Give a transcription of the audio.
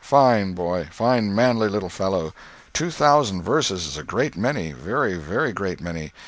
Fine boy. Fine, manly little fellow. Two thousand verses is a great many—very, very great many.